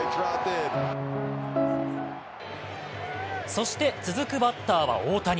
そして続くバッターは大谷。